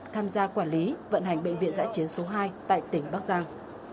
tham gia quản lý vận hành bệnh viện giã chiến số hai tại tỉnh bắc giang